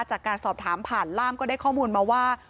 จากการสอบถามผ่านล่ามก็ได้ข้อมูลมาว่า